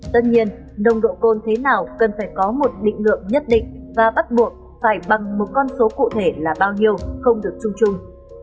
tất nhiên nồng độ cồn thế nào cần phải có một định lượng nhất định và bắt buộc phải bằng một con số cụ thể là bao nhiêu không được chung chung